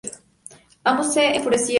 Ambos se enfurecieron.